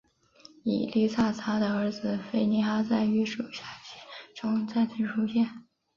以利亚撒的儿子非尼哈在约书亚记中再次出现。